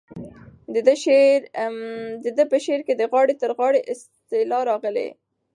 د ده په شعر کې د غاړې تر غاړې اصطلاح راغلې.